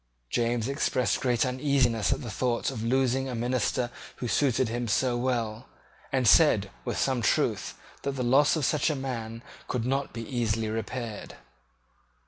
James expressed great uneasiness at the thought of losing a minister who suited him so well, and said, with some truth, that the loss of such a man could not be easily repaired.